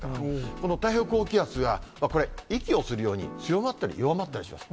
この太平洋高気圧がこれ、息をするように強まったり弱まったりします。